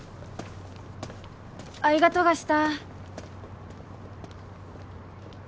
あいがとがした